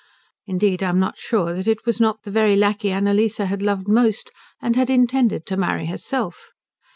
Indeed I am not sure that it was not the very lacquey Annalise had loved most and had intended to marry herself.